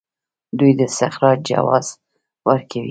دوی د استخراج جواز ورکوي.